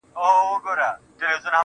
زما په غــېږه كــي نــاســور ويـده دی.